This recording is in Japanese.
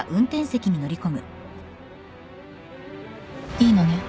いいのね？